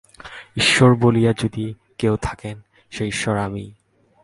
ঈশ্বর বলিয়া যদি কেহ থাকেন, সে ঈশ্বর আমিই।